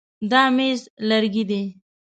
دا مېز لرګی دی.